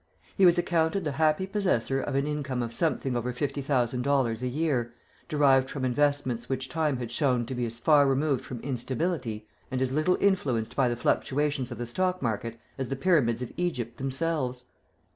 He was accounted the happy possessor of an income of something over fifty thousand dollars a year, derived from investments which time had shown to be as far removed from instability, and as little influenced by the fluctuations of the stock market, as the pyramids of Egypt themselves.